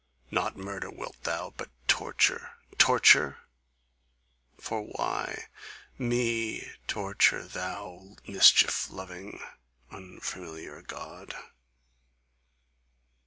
Not murder wilt thou, But torture, torture? For why ME torture, Thou mischief loving, unfamiliar God?